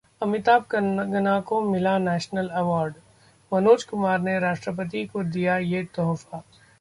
अमिताभ-कंगना को मिला national award, Manoj Kumar ने राष्ट्रपति को दिया ये तोहफा